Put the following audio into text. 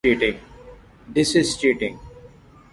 This is cheating.